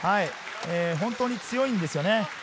本当に強いんですよね。